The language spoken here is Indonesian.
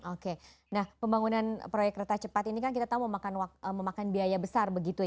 oke nah pembangunan proyek kereta cepat ini kan kita tahu memakan biaya besar begitu ya